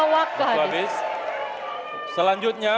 waktu habis selanjutnya